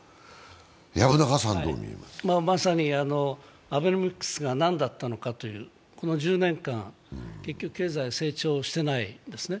まさにアベノミクスが何だったのかという、この１０年間、結局、経済は成長してないですね。